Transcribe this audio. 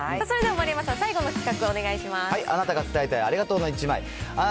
それでは丸山さん、最後の企画、あなたが伝えたいありがとうの１枚。